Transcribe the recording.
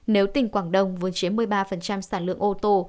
nếu tỉnh quảng đông vốn chiếm một mươi ba sản lượng ô tô